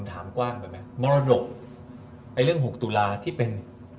ถามกว้างไปไหมมรดกไอ้เรื่อง๖ตุลาที่เป็น